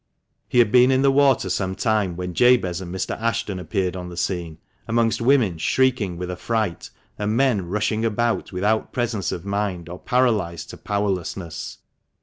He had been in the water some time when Jabez and Mr. Ashton appeared on the scene, amongst women shrieking with affright, and men rushing about without presence of mind, or paralysed to powerlessness.